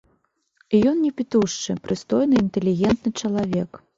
Ён не пітушчы, прыстойны, інтэлігентны чалавек.